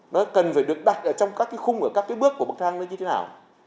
nó cần phải được đặt ở trong các cái khung và các cái bước của bậc thang nó như thế nào